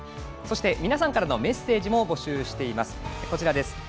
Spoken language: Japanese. そして皆さんからのメッセージも募集しています。